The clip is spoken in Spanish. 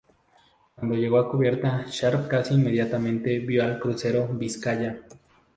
Cuando llegó a cubierta, Sharp casi inmediatamente vio al crucero "Vizcaya".